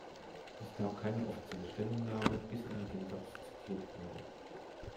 Es gab keine offizielle Stellungnahme, bis er mit dem Satz zitiert wurde.